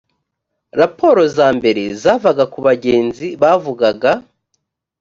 raporo za mbere zavaga ku bagenzi bavugaga